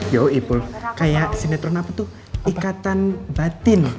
yo ipul kayak sinetron apa tuh ikatan batin